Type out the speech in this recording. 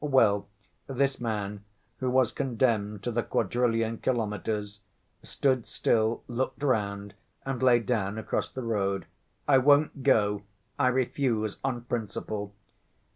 Well, this man, who was condemned to the quadrillion kilometers, stood still, looked round and lay down across the road. 'I won't go, I refuse on principle!